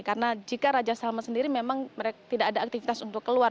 karena jika raja salman sendiri memang tidak ada aktivitas untuk keluar